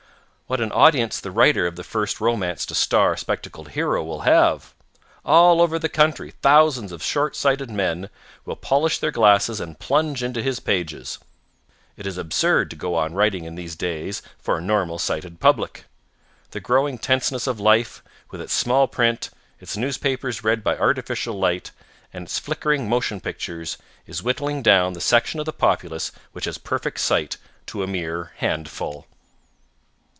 What an audience the writer of the first romance to star a spectacled hero will have. All over the country thousands of short sighted men will polish their glasses and plunge into his pages. It is absurd to go on writing in these days for a normal sighted public. The growing tenseness of life, with its small print, its newspapers read by artificial light, and its flickering motion pictures, is whittling down the section of the populace which has perfect sight to a mere handful.